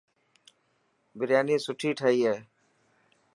برياني سٺي تهئي هي.